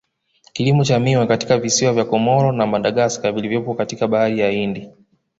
Kilimo cha miwa katika visiwa vya Comoro na Madagascar vilivyopo katika bahari ya Hindi